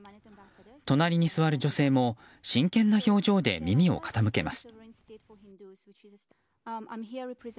隣に座る女性も真剣な表情で耳を傾けます。